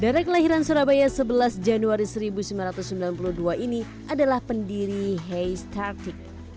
darah kelahiran surabaya sebelas januari seribu sembilan ratus sembilan puluh dua ini adalah pendiri hay startic